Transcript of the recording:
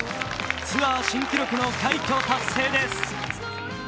ツアー新記録の快挙達成です。